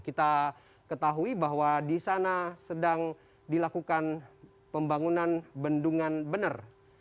kita ketahui bahwa di sana sedang dilakukan pembangunan bendungan bener